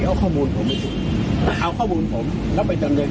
เหรอพาบุญผมอ่ะท้าบุญผมฐานจำนึกอ่ะ